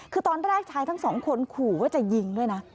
คือตอนแรกชายทั้งสองคนขู่ว่าจะยิงด้วยนะ